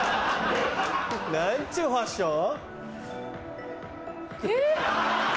何ちゅうファッション？え！